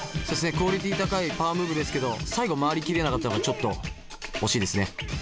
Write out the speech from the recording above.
クオリティー高いパワームーブですけど最後回りきれなかったのがちょっと惜しいですね。